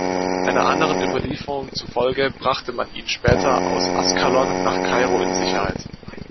Einer anderen Überlieferung zufolge brachte man ihn später aus Askalon nach Kairo in Sicherheit.